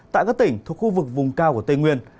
tại các tỉnh thuộc khu vực vùng cao của tây nguyên